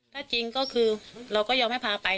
ถ้าจริงก็คือเราก็ยอมให้พาไป